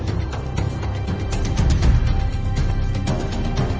ตอนนี้ก็ไม่มีอัศวินทรีย์แต่ก็ไม่มีอัศวินทรีย์แต่ก็ไม่มีอัศวินทรีย์